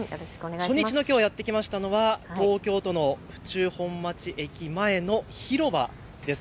初日のきょう、やって来ましたのは東京都の府中本町駅前の広場です。